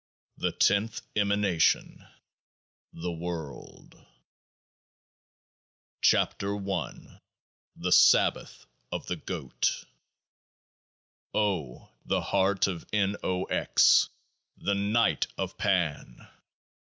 The Tenth Emanation The world. 8 KEOAAH A THE SABBATH OF THE GOAT O ! the heart of N.O.X. the Night of Pan.